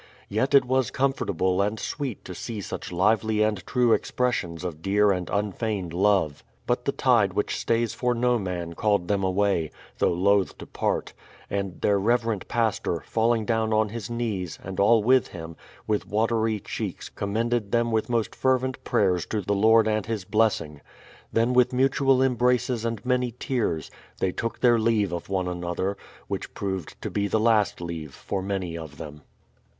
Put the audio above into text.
Yet it was comfortable and sweet to see such lively and true expressions of dear and unfeigned love. But the tide which stays for no man called them away, though loth to part; and their reverent pastor, falling down on his knees, and all with him, with watery cheeks commended them with most fervent prayers to the Lord and His blessing. Then with mutual embraces and many tears, they took their leave of one another, — which proved to be the last leave for many of them.